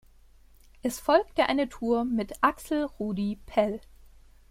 Es folgte eine Tour mit Axel Rudi Pell.